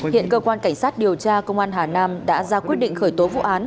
hiện cơ quan cảnh sát điều tra công an hà nam đã ra quyết định khởi tố vụ án